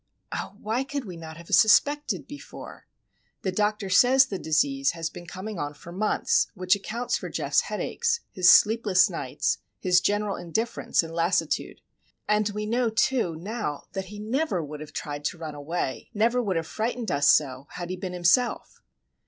Oh, why could we not have suspected before? The doctor says the disease has been coming on for months;—which accounts for Geof's headaches, his sleepless nights, his general indifference and lassitude. And we know, too, now, that he never would have tried to run away, never would have frightened us so, had he been himself.